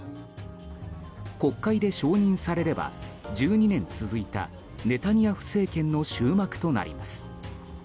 国会で承認されれば１２年続いたネタニヤフ政権の終幕となります。